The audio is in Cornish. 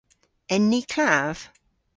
En ni klav?